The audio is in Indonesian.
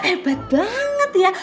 hebat banget ya